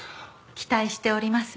期待しております。